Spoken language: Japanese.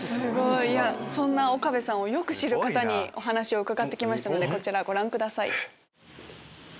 そんな岡部さんをよく知る方にお話を伺って来ましたのでこちらご覧ください。